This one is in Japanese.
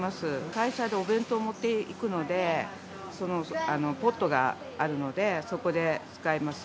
会社でお弁当持っていくので、ポットがあるので、そこで使います。